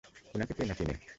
উনাকে কে না চিনে?